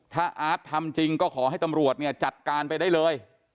ถ้าอาร์ตทำจริงก็ขอให้ตำรวจเนี่ยจัดการไปได้เลย